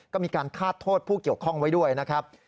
ก็มีการฆาตโทษผู้เกี่ยวข้องไว้ด้วยนะครับ